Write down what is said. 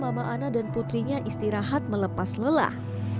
mama ana dan putrinya istirahat melepas lelah